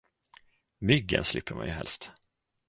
Myggen slipper man ju helst.